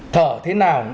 thở thế nào